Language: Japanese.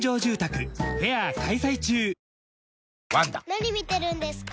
・何見てるんですか？